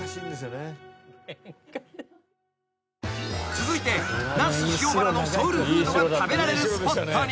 ［続いて那須塩原のソウルフードが食べられるスポットに］